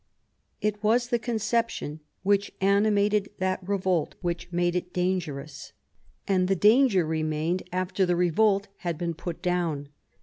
It was the conception which animated that revolt which made it dangerous ; and the danger^ remained after the revolt had been put down.